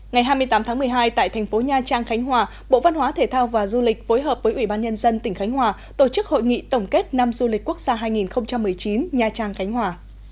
ngày hai mươi tám tháng một mươi hai tại thành phố nha trang khánh hòa bộ văn hóa thể thao và du lịch phối hợp với ủy ban nhân dân tỉnh khánh hòa tổ chức hội nghị tổng kết năm du lịch quốc gia hai nghìn một mươi chín nha trang khánh hòa